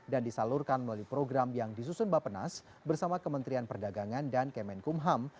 dan disalurkan melalui program yang disusun bapenas bersama kementerian perdagangan dan kemenkumham